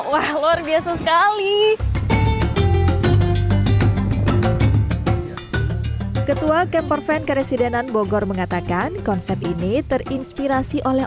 wah luar biasa sekali ketua kemperfan keresidenan bogor mengatakan konsep ini terinspirasi oleh